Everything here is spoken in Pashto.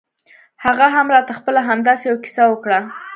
هغه هم راته خپله همداسې يوه کيسه وکړه.